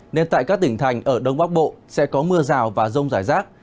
nên tại các tỉnh thành ở đông bắc bộ sẽ có mưa rào và rông rải rác